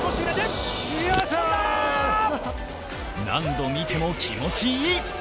何度見ても気持ちいい！